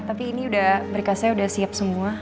tapi ini berikasnya udah siap semua